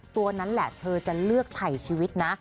ตัวนั้นแหละเธอจะเลือกไถ่ชีวิตนะ